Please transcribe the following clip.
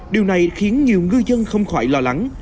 điều này khiến nhiều ngư dân không khỏi lo lắng